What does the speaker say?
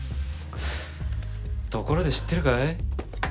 ところで知ってるかい？